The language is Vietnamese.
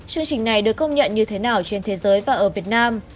chương trình này được công nhận như thế nào trên thế giới và ở việt nam